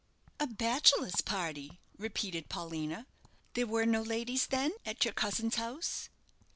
"A bachelors' party!" repeated Paulina; "there were no ladies, then, at your cousin's house?"